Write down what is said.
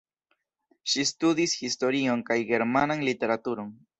Ŝi studis historion kaj Germanan literaturon.